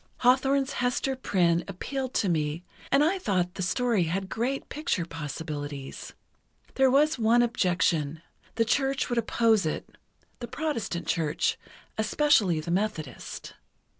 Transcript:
Hawthorne's Hester Prynne appealed to me, and I thought the story had great picture possibilities. There was one objection: the Church would oppose it—the Protestant Church, especially the Methodist.